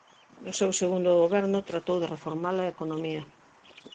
No seu segundo goberno tratou de reformar a economía.